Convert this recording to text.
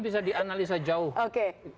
bisa dianalisa jauh oke